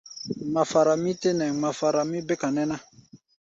Ŋmafara mí tɛ́ nɛ, ŋmafara mí béka nɛ́ ná.